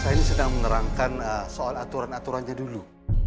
saya ini sedang menerangkan soal aturan aturannya dulu